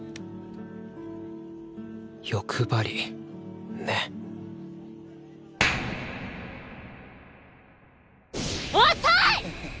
欲張りね遅い！